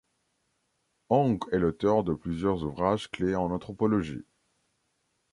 Ong est l’auteure de plusieurs ouvrages clés en anthropologie.